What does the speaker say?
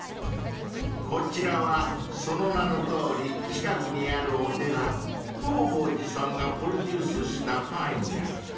［こちらはその名のとおり近くにあるお寺弘法寺さんがプロデュースしたパン屋］